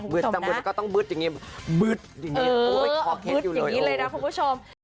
บึดต่ำบึดก็ต้องบึดอย่างงี้บึดอย่างงี้เลยนะคุณผู้ชม